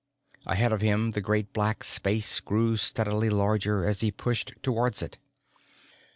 Ahead of him, the great black space grew steadily larger as he pushed towards it.